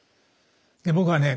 で僕はね